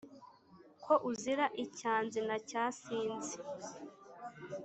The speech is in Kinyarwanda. Ko uzira icyanze na cya sinzi,